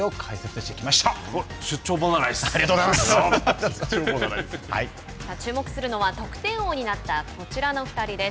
さあ注目するのは得点王になったこちらの２人です。